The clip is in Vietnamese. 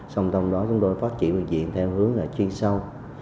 xong trong đó chúng tôi phát triển bệnh viện theo hướng chuyên sâu